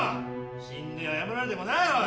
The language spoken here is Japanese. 死んで謝られてもなおい。